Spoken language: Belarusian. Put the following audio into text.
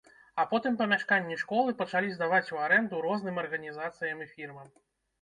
А потым памяшканні школы пачалі здаваць у арэнду розным арганізацыям і фірмам.